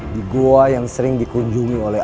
di goa yang sering dikunjungi oleh